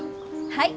はい。